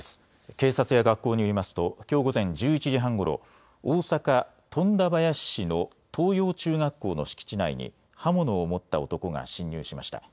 警察や学校によりますときょう午前１１時半ごろ、大阪富田林市の藤陽中学校の敷地内に刃物を持った男が侵入しました。